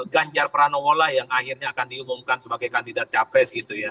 ganjar pranowo lah yang akhirnya akan diumumkan sebagai kandidat capres gitu ya